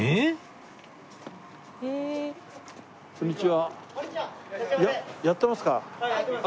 こんにちは。